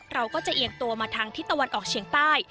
เราก็จะเอียงตัวมาทางทิศตะวันออกเฉียงใต้